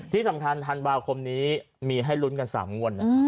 ที่สำคัญธันวาคมนี้มีให้ลุ้นกัน๓งวด